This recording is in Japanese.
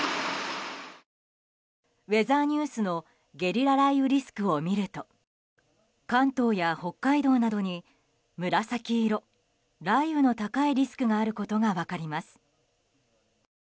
ウェザーニュースのゲリラ雷雨リスクを見ると関東や北海道などに紫色雷雨の高いリスクがあることが分かります。